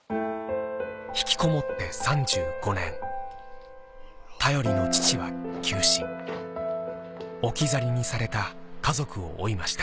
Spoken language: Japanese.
引きこもって３５年頼りの父は急死置き去りにされた家族を追いました